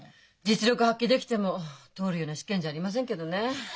実力発揮できても通るような試験じゃありませんけどね。